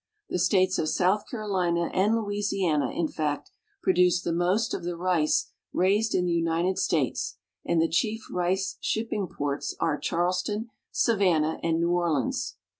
The states of South Carolina and Louisiana, in fact, produce the most of the rice raised in the United States, and the chief rice shipping ports are Charleston, Savannah, and New Orleans.